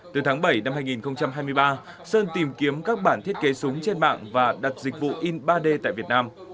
từ tháng bảy năm hai nghìn hai mươi ba sơn tìm kiếm các bản thiết kế súng trên mạng và đặt dịch vụ in ba d tại việt nam